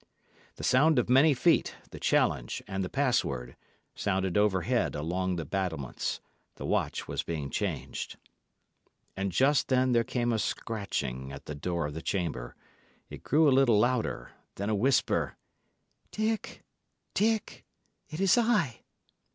The sound of many feet, the challenge, and the password, sounded overhead along the battlements; the watch was being changed. And just then there came a scratching at the door of the chamber; it grew a little louder; then a whisper: "Dick, Dick, it is I!"